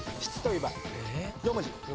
４文字。